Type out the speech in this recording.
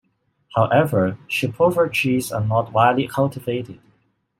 However, shipova trees are not widely cultivated.